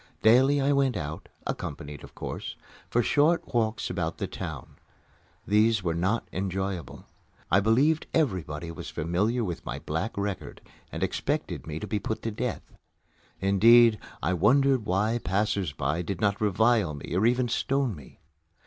Daily I went out accompanied, of course for short walks about the town. These were not enjoyable. I believed everybody was familiar with my black record and expected me to be put to death. Indeed, I wondered why passers by did not revile or even stone me.